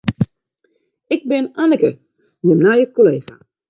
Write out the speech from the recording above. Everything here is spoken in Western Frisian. Ik bin Anneke, jim nije kollega.